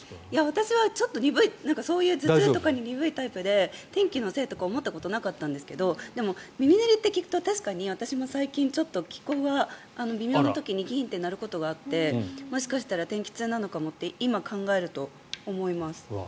私は頭痛とかに鈍いタイプで天気のせいとか思ったことなかったんですがでも耳鳴りって聞くと確かに私も気候が微妙な時にキーンってなることがあってもしかしたら天気痛なのかもって今、考えると思います。